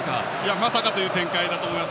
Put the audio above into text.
まさかという展開だと思います。